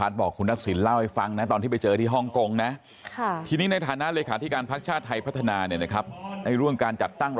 ท่านเจรจาต่อรองกัน